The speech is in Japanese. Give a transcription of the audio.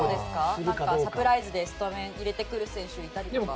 サプライズでスタメンに入れてくる選手、いたりとか。